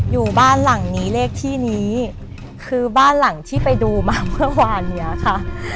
อยู่บ้านหลังนี้เลขที่นี้คือบ้านหลังที่ไปดูมาเมื่อวานเนี้ยค่ะ